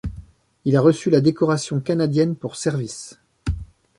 Il a reçu la Décoration canadienne pour service.